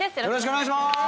よろしくお願いします！